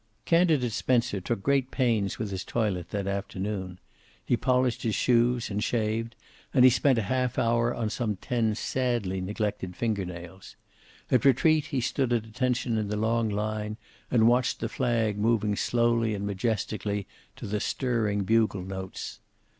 Candidate Spencer took great pains with his toilet that afternoon. He polished his shoes, and shaved, and he spent a half hour on some ten sadly neglected finger nails. At retreat he stood at attention in the long line, and watched the flag moving slowly and majestically to the stirring bugle notes.